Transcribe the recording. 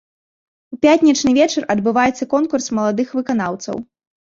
У пятнічны вечар адбываецца конкурс маладых выканаўцаў.